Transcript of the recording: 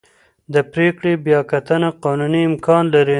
د پرېکړې بیاکتنه قانوني امکان لري.